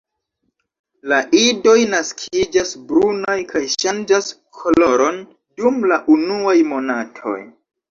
La idoj naskiĝas brunaj kaj ŝanĝas koloron dum la unuaj monatoj.